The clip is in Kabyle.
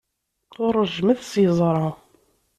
Ur ṛejjmet s yeẓra.